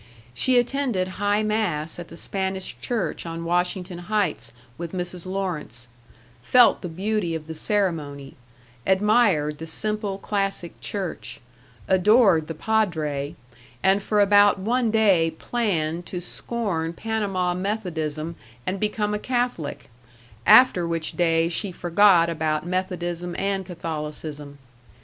She attended High Mass at the Spanish church on Washington Heights with Mrs. Lawrence; felt the beauty of the ceremony; admired the simple, classic church; adored the padre; and for about one day planned to scorn Panama Methodism and become a Catholic, after which day she forgot about Methodism and Catholicism.